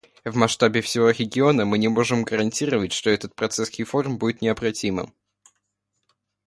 В масштабе всего региона мы не можем гарантировать, что этот процесс реформ будет необратимым.